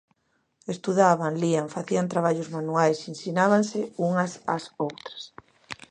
Estudaban, lían, facían traballos manuais, ensinábanse unhas ás outras.